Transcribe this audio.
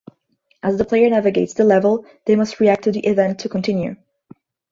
As the player navigates the level, they must react to the event to continue.